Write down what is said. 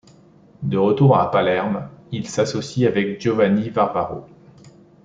De retour à Palerme il s'associe avec Giovanni Varvaro.